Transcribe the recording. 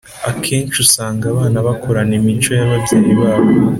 Akenshi usanga abana bakurana imico yababyeyi babo